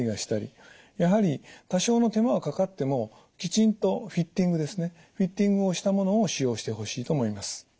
やはり多少の手間はかかってもきちんとフィッティングですねフィッティングをしたものを使用してほしいと思います。